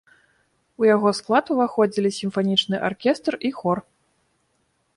У яго склад уваходзілі сімфанічны аркестр і хор.